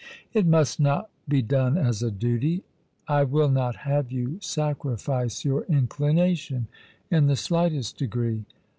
" But it must not be done as a duty. I will not have you sacrifice your inclination in the slightest degree."